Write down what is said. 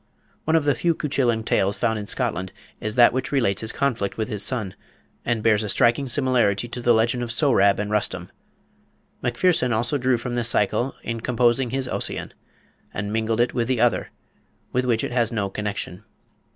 One of the few Cuchullin tales found in Scotland is that which relates his conflict with his son, and bears a striking similarity to the legend of Sohrab and Rustum. Macpherson also drew from this Cycle in composing his Ossian, and mingled it with the other, with which it has no connection.